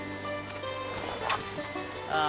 ああ。